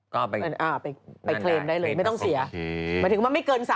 ก็ไปนั่นนะไปเทรนได้เลยไม่ต้องเสียไปเทรนประเทศ